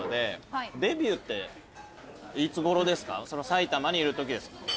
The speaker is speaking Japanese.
埼玉にいるときですか？